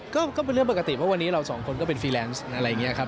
ก็เป็นเรื่องปกติเพราะวันนี้เราสองคนก็เป็นฟรีแลนซ์อะไรอย่างนี้ครับ